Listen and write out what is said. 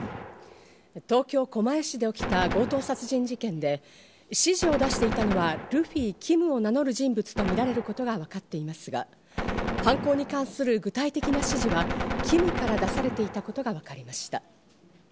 東京狛江市で起きた強盗殺人事件で、指示を出していたのは、ルフィ、ＫＩＭを名乗る人物とみられることがわかっていますが、犯行に関する具体的な指示はＫＩＭから出されていたことがわかりました。